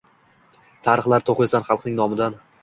Tarixlar toʼqiysan xalqning nomidan.